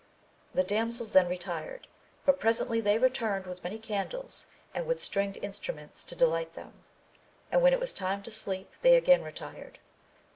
The damsels then retired, but presently they returned with many candles and with stringed instruments to delight them 3 and when it was time to sleep they again retired.